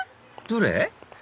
どれ？